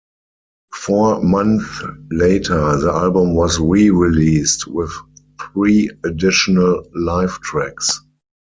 Four months later, the album was re-released with three additional live tracks.